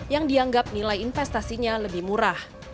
yang dianggap nilai investasinya lebih murah